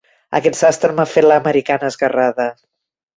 Aquest sastre m'ha fet l'americana esguerrada.